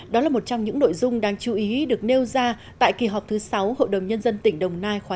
đó là một trong những nội dung đáng chú ý được nêu ra tại kỳ họp thứ sáu hội đồng nhân dân tỉnh đồng nai khóa chín